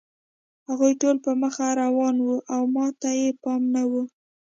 هغوی ټول په مخه روان وو او ما ته یې پام نه و